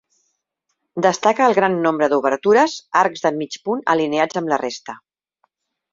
Destaca el gran nombre d'obertures, arcs de mig punt alineats amb la resta.